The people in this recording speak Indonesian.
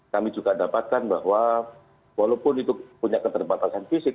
kami juga dapatkan bahwa walaupun itu punya keterbatasan fisik